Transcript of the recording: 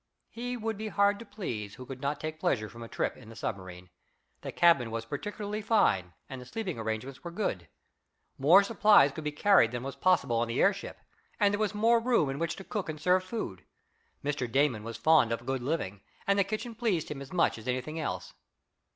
He would be hard to please who could not take pleasure from a trip in the submarine. The cabin was particularly fine, and the sleeping arrangements were good. More supplies could be carried than was possible on the airship, and there was more room in which to cook and serve food. Mr. Damon was fond of good living, and the kitchen pleased him as much as anything else.